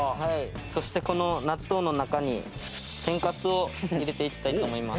そしてこの納豆の中に天かすを入れていきたいと思います。